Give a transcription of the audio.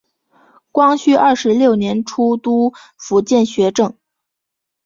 光绪二十六年出督福建学政。